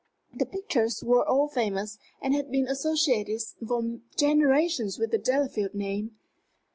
The pictures were all famous, and had been associated for generations with the Delafield name.